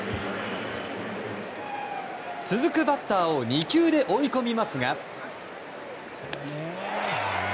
続くバッターを２球で追い込みますが。